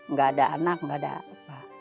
nggak ada anak nggak ada apa